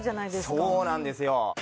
そうなんですよ。